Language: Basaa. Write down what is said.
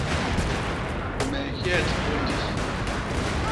Me nhyet pôndi.